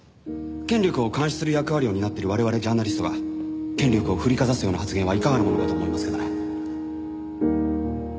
権力を監視する役割を担っている我々ジャーナリストが権力を振りかざすような発言はいかがなものかと思いますけどね。